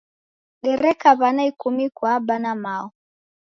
Dereka w'ana ikumi kwa Aba na Mao.